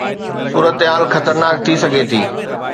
صورتحال خطرناڪ ٿي سگهي ٿي